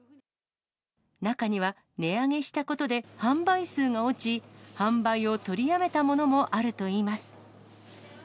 中には値上げしたことで販売数が落ち、販売を取りやめたものもあるといいます。